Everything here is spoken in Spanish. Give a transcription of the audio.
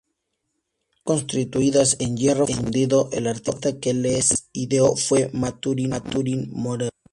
Están construidas en hierro fundido, el artista que las ideó fue Mathurin Moreau.